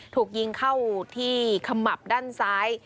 ถูกยิงเข้าที่ขมับด้านซ้าย